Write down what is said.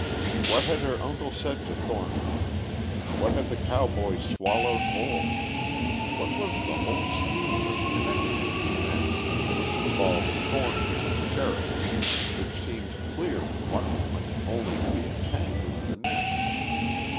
What had her uncle said to Thornton, what had the cowboy "swallowed whole"? What was the whole scheme which connected the two men, which envolved Thornton and the sheriff, which seemed clear in one moment only to be a tangle in the next?